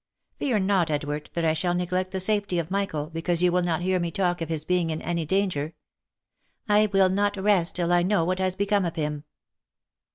Fear not, Edward, that I shall neglect the safety of Michael, because you will not hear me talk of his being in any danger. I will not rest till I know what has become of him."